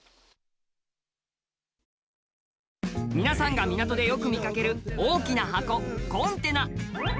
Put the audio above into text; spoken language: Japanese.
皆さんが港でよく見かける大きな箱コンテナ。